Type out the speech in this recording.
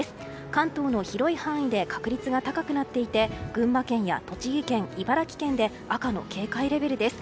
関東の広い範囲で確率が高くなっていて群馬県や栃木県、茨城県で赤の警戒レベルです。